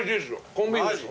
コンビーフです